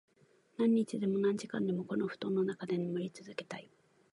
何日でも、何時間でも、この布団の中で眠り続けたい。